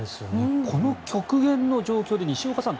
この極限の状況で西岡さん